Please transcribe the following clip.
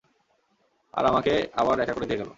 আর আমাকে আবার একা করে দিয়ে গেলো।